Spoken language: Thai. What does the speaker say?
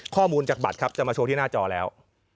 ข้อมูลจากบัตรครับจะมาโชว์ที่หน้าจอแล้ว